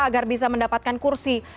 agar bisa mendapatkan kursi